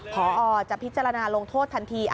พอจะพิจารณาลงโทษทันที